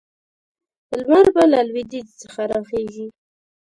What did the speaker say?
لمر به له لویدیځ څخه راخېژي.